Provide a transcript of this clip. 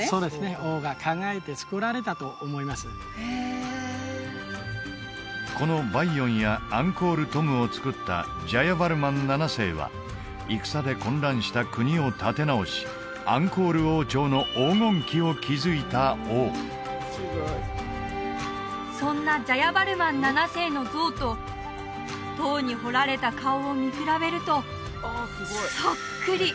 王が考えて造られたと思いますへえこのバイヨンやアンコール・トムを造ったジャヤヴァルマン７世は戦で混乱した国を立て直しアンコール王朝の黄金期を築いた王そんなジャヤヴァルマン７世の像と塔に彫られた顔を見比べるとそっくり！